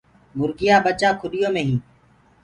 موُرگيآ ڀچآ کُڏيو مي هينٚ۔